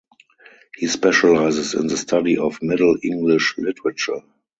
He specializes in the study of Middle English literature.